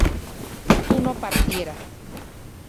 tú no partieras